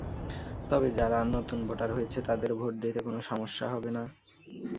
তবে যারা নতুন ভোটার হয়েছে তাদের ভোট দিতে কোন সমস্যা হবে না।